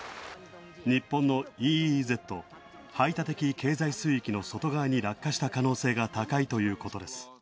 日本のＥＥＺ＝排他的経済水域の外側に落下した可能性が高いということです。